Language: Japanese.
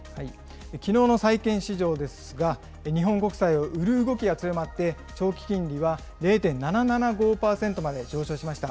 きのうの債券市場ですが、日本国債を売る動きが強まって、長期金利は０．７７５％まで上昇しました。